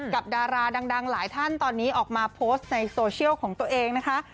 ดาราดังหลายท่านตอนนี้ออกมาโพสต์ในโซเชียลของตัวเองนะคะ